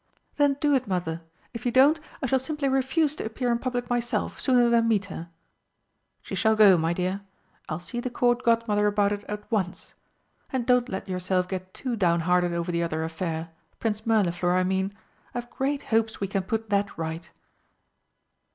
"Then do it, Mother. If you don't, I shall simply refuse to appear in public myself, sooner than meet her." "She shall go, my dear. I'll see the Court Godmother about it at once. And don't let yourself get too downhearted over the other affair Prince Mirliflor, I mean. I've great hopes we can put that right."